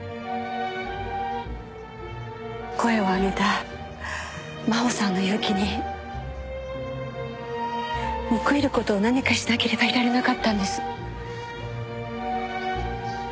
声を上げた真穂さんの勇気に報いる事を何かしなければいられなかったんです。